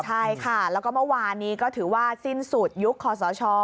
ใช่ค่ะแล้วก็เมื่อวานนี้ก็ถือว่าสิ้นสุดยุคคอสช